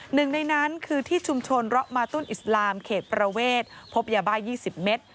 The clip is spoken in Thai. หนึ่งในนั้นคือที่ชุมชนเลาะมาตุ้นอิสลามเขตประเวทพบยาบ้า๒๐เมตร